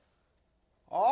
あ！